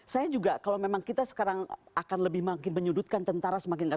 saya juga kalau memang kita sekarang akan lebih makin menyudutkan tentara semakin